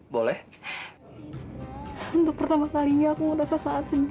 boleh untuk pertama kalinya aku merasa sangat sedih